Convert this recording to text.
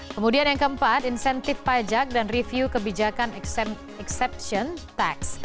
kemudian yang keempat insentif pajak dan review kebijakan exception tax